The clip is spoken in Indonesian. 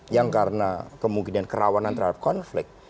yang karena kemungkinan kerawanan terhadap konflik